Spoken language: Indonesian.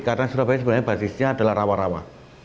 karena surabaya sebenarnya basisnya adalah rawa rawa